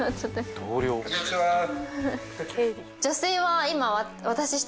こんにちは。